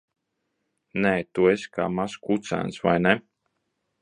Nē, tu esi kā mazs kucēns, vai ne?